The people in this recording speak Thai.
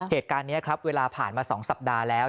เหตุการณ์นี้ครับเวลาผ่านมา๒สัปดาห์แล้ว